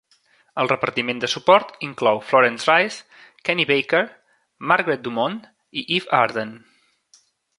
El repartiment de suport inclou Florence Rice, Kenny Baker, Margaret Dumont i Eve Arden.